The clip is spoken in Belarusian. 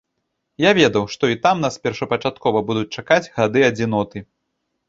Я ведаў, што і там нас першапачаткова будуць чакаць гады адзіноты.